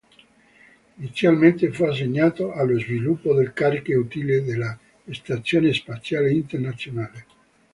Inizialmente fu assegnato allo sviluppo del carico utile della Stazione Spaziale Internazionale.